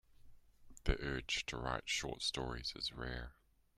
The urge to write short stories is rare.